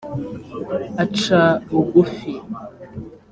aca bugufi.